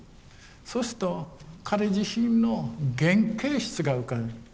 そうすると彼自身の原形質が浮かぶ。